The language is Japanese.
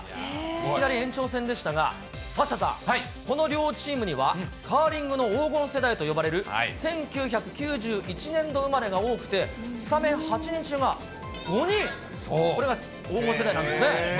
いきなり延長戦でしたが、サッシャさん、この両チームにはカーリングの黄金世代と呼ばれる１９９１年度生まれが多くて、スタメン８人中５人、これが黄金世代なんですね。